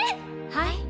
はい。